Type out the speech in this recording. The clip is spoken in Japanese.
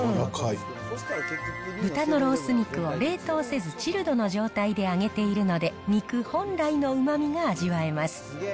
豚のロース肉を冷凍せず、チルドの状態で揚げているので、肉本来のうまみが味わえます。